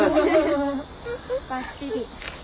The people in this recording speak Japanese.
ばっちり。